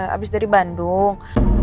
habis dari bandung